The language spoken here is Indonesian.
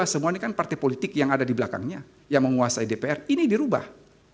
semua ini kan partai politik yang ada di belakangnya yang menguasai dpr ini dirubah